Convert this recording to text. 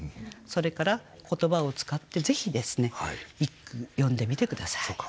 それから言葉を使ってぜひですね一句詠んでみて下さい。